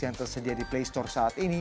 yang tersedia di play store saat ini